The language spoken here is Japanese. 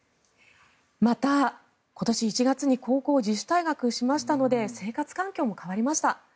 また、今年１月に高校を自主退学しましたので生活環境も変わりました。